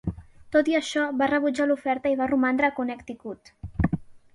Tot i això, va rebutjar l'oferta i va romandre a Connecticut.